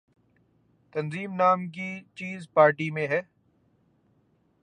تنظیم نام کی چیز پارٹی میں ہے۔